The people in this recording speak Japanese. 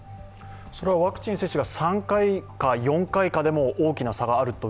ワクチン接種が３回か４回かでも大きな差があると